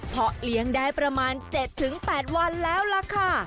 เพราะเลี้ยงได้ประมาณ๗๘วันแล้วล่ะค่ะ